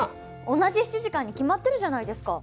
同じ７時間に決まってるじゃないですか。